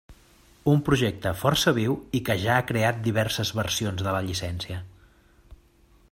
Un project força viu i que ja ha creat diverses versions de la llicència.